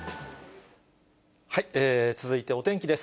続いてお天気です。